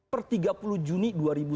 per tiga puluh juni dua ribu sembilan belas